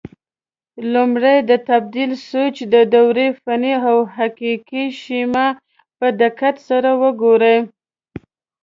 لومړی د تبدیل سویچ د دورې فني او حقیقي شیما په دقت سره وګورئ.